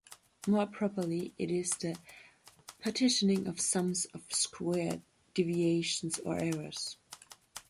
More properly, it is the partitioning of sums of squared deviations or errors.